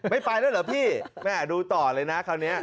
ไม่ไปแล้วเหรอพี่แม่ดูต่อเลยนะคราวนี้